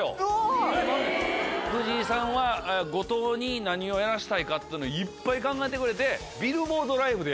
藤井さんは後藤に何をやらせたいかっていうのをいっぱい考えてくれて。